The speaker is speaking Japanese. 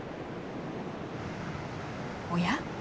おや？